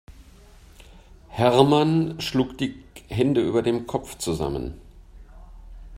Hermann schlug die Hände über dem Kopf zusammen.